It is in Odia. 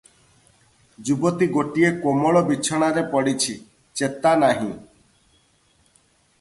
ଯୁବତୀ ଗୋଟିଏ କୋମଳ ବିଛଣାରେ ପଡ଼ିଛି, ଚେତା ନାହିଁ ।